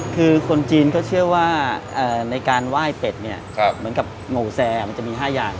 คือคนจีนก็เชื่อว่าในการไหว้เป็ดเนี่ยเหมือนกับโง่แซร์มันจะมี๕อย่าง